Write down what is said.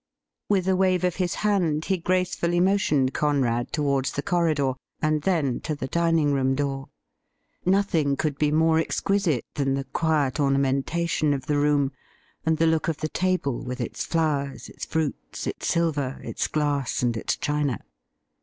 With a wave of his hand he gracefully motioned Conrad towards the corridor, and then to the dining room door. Nothing could be more exquisite than the quiet ornamenta tion of the room, and the look of the table, with its flowers, its fruits, its silver, its glass, and its china.